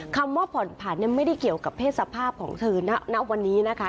คำว่าผ่อนผันไม่ได้เกี่ยวกับเพศสภาพของเธอณวันนี้นะคะ